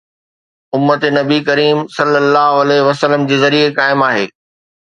امت نبي ڪريم ﷺ جي ذريعي قائم آهي.